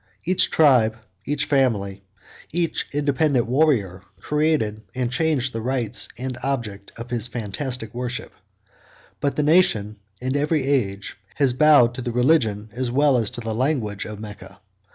Each tribe, each family, each independent warrior, created and changed the rites and the object of his fantastic worship; but the nation, in every age, has bowed to the religion, as well as to the language, of Mecca.